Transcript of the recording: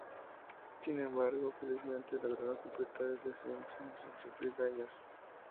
Sin embargo, felizmente lograron completar el descenso sin sufrir daños.